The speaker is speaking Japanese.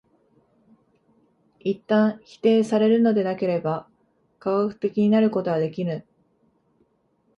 一旦否定されるのでなければ科学的になることはできぬ。